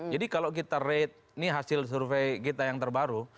jadi kalau kita rate ini hasil survei kita yang terbaru